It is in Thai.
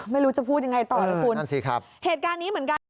ไม่รู้จะพูดยังไงต่อนะคุณเหตุการณ์นี้เหมือนกัน